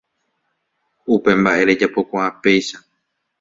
Upe mbaʼe rejapokuaa péicha.